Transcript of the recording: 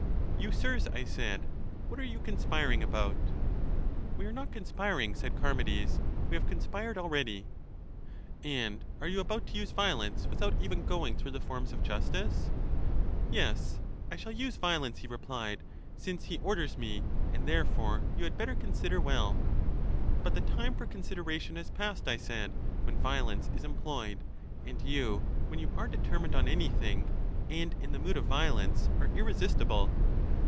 You sirs, I said, what are you conspiring about? We are not conspiring, said Charmides, we have conspired already. And are you about to use violence, without even going through the forms of justice? Yes, I shall use violence, he replied, since he orders me; and therefore you had better consider well. But the time for consideration has passed, I said, when violence is employed; and you, when you are determined on anything, and in the mood of violence, are irresistible.